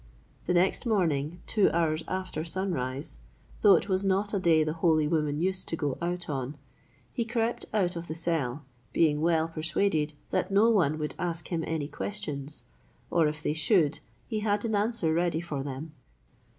The next morning, two hours after sunrise, though it was not a day the holy woman used to go out on, he crept out of the cell, being well persuaded that nobody would ask him any questions; or, if they should, he had an answer ready for them.